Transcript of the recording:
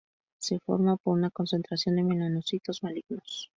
Se forma por una concentración de melanocitos malignos.